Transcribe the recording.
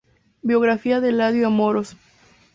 Biografía de Eladio Amorós